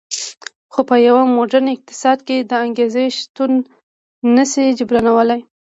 خو په یو موډرن اقتصاد کې د انګېزې نشتون نه شي جبرانولی